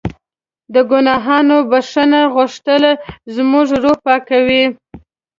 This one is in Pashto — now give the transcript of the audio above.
د ګناهونو بښنه غوښتل زموږ روح پاکوي.